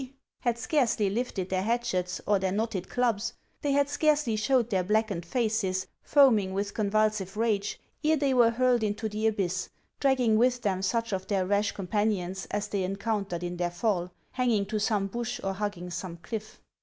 " had scarcely lifted their hatchets or their knotted clubs, — they had scarcely showed their blackened faces, foaming with convulsive rage, ere they were hurled into the abyss, dragging with them such of their rash companions as they encountered in their fall, hanging to some bush or hugging some cliff.